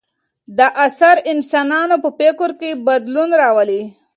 دا اثر د انسانانو په فکر کې بدلون راولي.